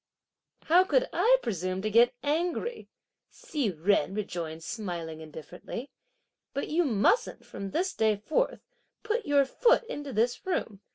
"How could I presume to get angry!" Hsi Jen rejoined smiling indifferently; "but you mustn't, from this day forth, put your foot into this room!